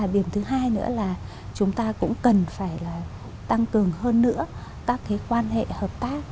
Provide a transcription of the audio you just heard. điểm thứ hai nữa là chúng ta cũng cần phải tăng cường hơn nữa các cái quan hệ hợp tác